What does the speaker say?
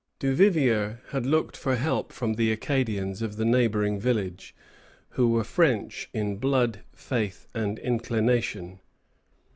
Duvivier had looked for help from the Acadians of the neighboring village, who were French in blood, faith, and inclination.